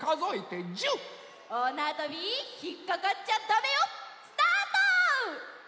おおなわとびひっかかっちゃだめよスタート！